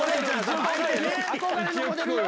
憧れのモデルよ。